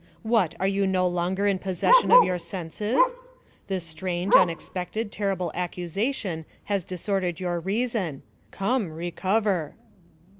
What, are you no longer in possession of your senses? This strange, unexpected, terrible accusation has disordered your reason. Come, recover."